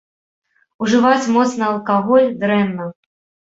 Ужываць моцны алкаголь дрэнна!